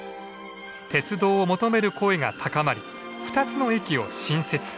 鉄道を求める声が高まり２つの駅を新設。